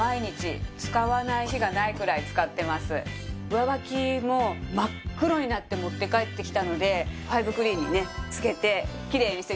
上履きも真っ黒になって持って帰ってきたのでファイブクリーンにねつけてきれいにしてみました。